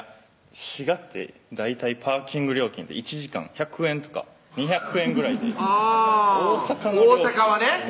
滋賀って大体パーキング料金って１時間１００円とか２００円ぐらいであぁ大阪の大阪はね